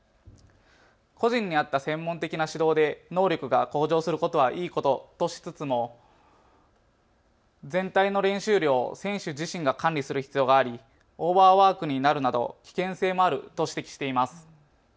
個人に合った専門的な指導で能力が向上することはいいこととしつつも全体の練習量を選手自身が管理する必要がありオーバーワークになるなど危険性もあると指摘しています。